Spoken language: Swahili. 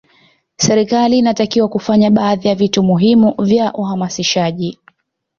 serikali inatakiwa kufanya baadhi ya vitu muhimu vya uhamasishaji